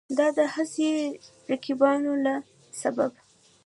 د دا هسې رقیبانو له سببه